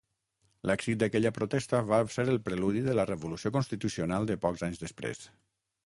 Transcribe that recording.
L’èxit d’aquesta protesta va ser el preludi de la Revolució constitucional de pocs anys després.